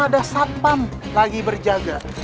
ada satpam lagi berjaga